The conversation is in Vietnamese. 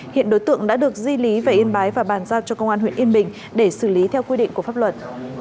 hiện đối tượng đã được di lý về yên bái và bàn giao cho công an huyện yên bình để xử lý theo quy định của pháp luật